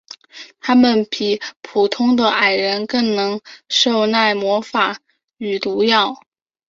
他们比普通的矮人更能耐受魔法与毒药。